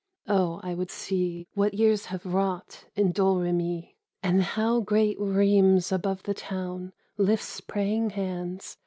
Oh, I would see What years have wrought in Domremy, And how great Rheims above the town Lifts praying hands